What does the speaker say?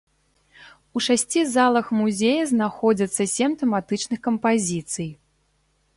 У шасці залах музея знаходзяцца сем тэматычных кампазіцый.